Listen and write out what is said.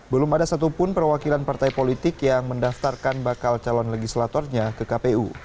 belum ada satupun perwakilan partai politik yang mendaftarkan bakal calon legislatornya ke kpu